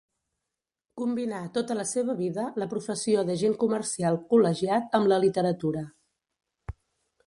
Combinà, tota la seva vida, la professió d'agent comercial col·legiat amb la literatura.